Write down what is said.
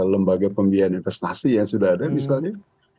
lembaga pembiayaan investasi yang sudah ada misalnya